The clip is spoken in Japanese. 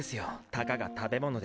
たかが食べ物で。